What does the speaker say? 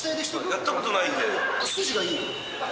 やったことないんで。